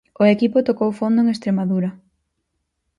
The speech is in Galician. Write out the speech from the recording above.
O equipo tocou fondo en Estremadura.